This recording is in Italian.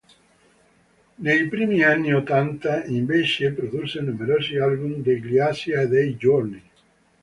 Nei primi anni ottanta invece produsse numerosi album degli Asia e dei Journey.